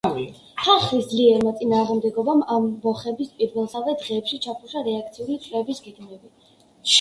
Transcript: ხალხის ძლიერმა წინააღმდეგობამ ამბოხების პირველსავე დღეებში ჩაფუშა რეაქციული წრეების გეგმები.